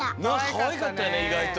かわいかったよねいがいと。